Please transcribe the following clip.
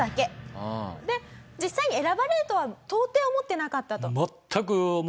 で実際に選ばれるとは到底思ってなかったと。